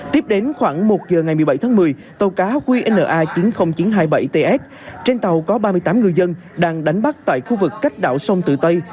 tiếp đến khoảng một giờ ngày một mươi bảy tháng một mươi tàu cá qna chín mươi nghìn chín trăm hai mươi bảy ts trên tàu có ba mươi tám ngư dân đang đánh bắt tại khu vực cách đảo sông tự tây